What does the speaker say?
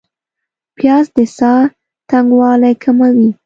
پیاز د ساه تنګوالی کموي